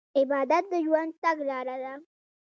عبادت د ژوند تګلاره ده.